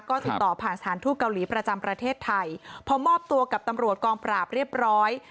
ก็ติดต่อผ่านสถานทูตเกาหลีประจำประเทศไทยพอมอบตัวกับตำรวจกองปราบเรียบร้อย